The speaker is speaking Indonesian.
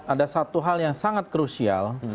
ada satu hal yang sangat krusial